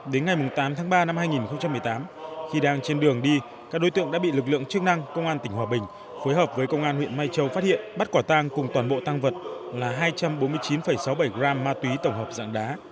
đến ngày tám tháng ba năm hai nghìn một mươi tám khi đang trên đường đi các đối tượng đã bị lực lượng chức năng công an tỉnh hòa bình phối hợp với công an huyện mai châu phát hiện bắt quả tang cùng toàn bộ tăng vật là hai trăm bốn mươi chín sáu mươi bảy gram ma túy tổng hợp dạng đá